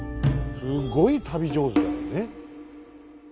すごい旅上手だよね。